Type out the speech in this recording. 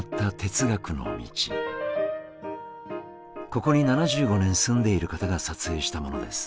ここに７５年住んでいる方が撮影したものです。